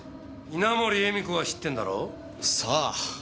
稲盛絵美子は知ってんだろう？さあ。